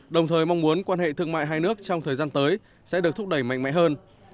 đồng thời mong muốn quan hệ thương mại hai nước trong thời gian tới sẽ được thúc đẩy mạnh mẽ hơn